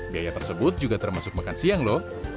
biaya tersebut juga termasuk makan siang lho